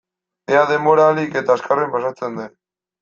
Ea denbora ahalik eta azkarren pasatzen den.